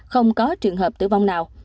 không có trường hợp tử vong nào